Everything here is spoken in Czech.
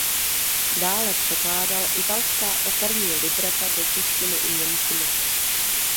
Dále překládal italská operní libreta do češtiny i němčiny.